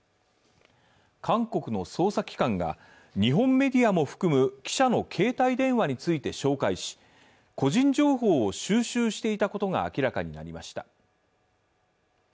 韓国の捜査機関が日本メディアも含む記者の携帯電話について照会し個人情報を収集していたことが明らかになりました。